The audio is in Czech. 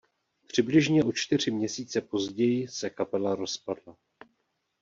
Přibližně o čtyři měsíce později se kapela rozpadla.